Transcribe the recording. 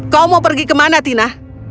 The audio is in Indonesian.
kau mau pergi ke mana tina